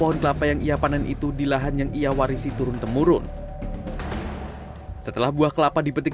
dan kelapa yang ia panen itu di lahan yang ia warisi turun temurun setelah buah kelapa dipetik